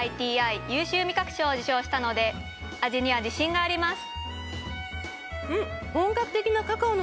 ＩＴＩ優秀味覚賞を受賞したので味には自信があります。